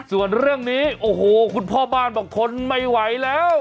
ส่วนเรื่องนี้โอ้โหคุณพ่อบ้านบอกทนไม่ไหวแล้ว